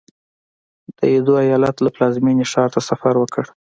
د ایدو ایالت له پلازمېنې ښار ته سفر وکړ.